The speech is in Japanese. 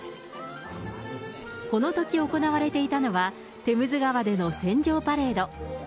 このとき行われていたのは、テムズ川での船上パレード。